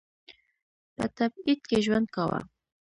په تبعید کې ژوند کاوه.